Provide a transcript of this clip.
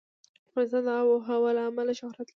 افغانستان د آب وهوا له امله شهرت لري.